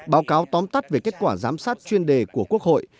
báo cáo tóm tắt về kết quả giám sát chuyên đề của quốc hội